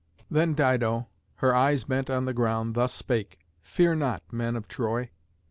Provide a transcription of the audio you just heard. Then Dido, her eyes bent on the ground, thus spake, "Fear not, men of Troy.